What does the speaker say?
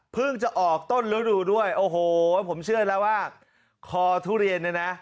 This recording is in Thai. จะออกต้นฤดูด้วยโอ้โหผมเชื่อแล้วว่าคอทุเรียนเนี่ยนะ